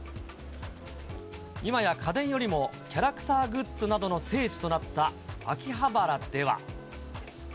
いまや家電よりも、キャラクターグッズなどの聖地となった秋葉原では。